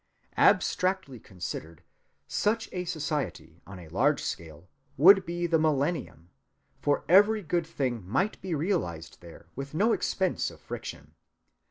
Abstractly considered, such a society on a large scale would be the millennium, for every good thing might be realized there with no expense of friction.